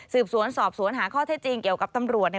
สืบสวนสอบสวนหาข้อเท็จจริงเกี่ยวกับตำรวจเนี่ย